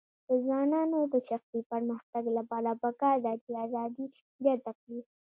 د ځوانانو د شخصي پرمختګ لپاره پکار ده چې ازادي زیاته کړي.